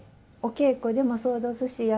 お稽古でもそうどすし。